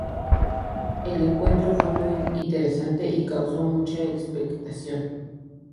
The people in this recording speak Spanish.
El encuentro fue muy interesante y causó mucha expectación